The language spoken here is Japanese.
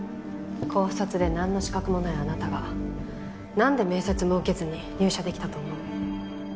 高卒でなんの資格もないあなたがなんで面接も受けずに入社できたと思う？